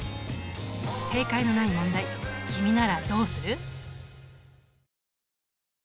正解のない問題君ならどうする？